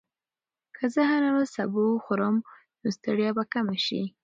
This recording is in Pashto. که زه هره ورځ سبو وخورم، نو ستړیا به کمه شي.